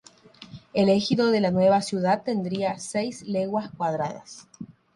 El ejido de la nueva ciudad tendría seis leguas cuadradas.